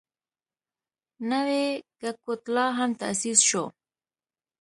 نوی کګوتلا هم تاسیس شو.